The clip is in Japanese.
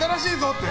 って。